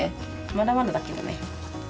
まだまだだけどね。